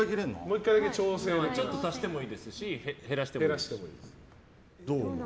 ちょっと足してもいいですし減らしてもいいです。